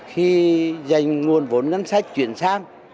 khi dành nguồn vốn ngân sách chuyển sang